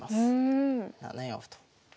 ７四歩と。